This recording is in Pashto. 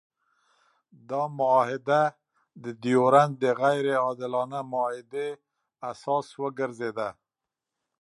دا معاهده د ډیورنډ د غیر عادلانه معاهدې اساس وګرځېده.